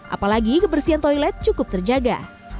apalagi kebersihan toilet cukup terjaga